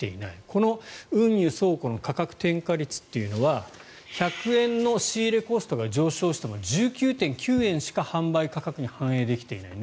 この運輸・倉庫の価格転嫁率というのは１００円の仕入れコストが上昇しても１９．９円しか販売価格に反映できていない。